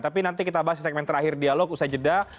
tapi nanti kita bahas di segmen terakhir dialog usai jeda